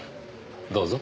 どうぞ。